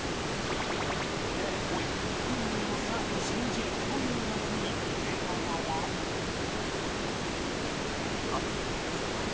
惚れっぽい運命の出会いを信じるという悩みに出川はあっいらっしゃいました。